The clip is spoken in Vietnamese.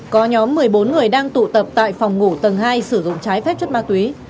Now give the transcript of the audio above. có nhóm một mươi bốn người đang tụ tập tại phòng ngủ tầng hai sử dụng trái phép chất ma túy